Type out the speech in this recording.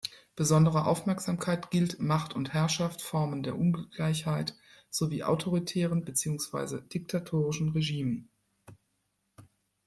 Besondere Aufmerksamkeit gilt Macht und Herrschaft, Formen der Ungleichheit sowie autoritären beziehungsweise diktatorischen Regimen.